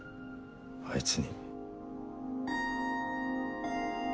あいつに。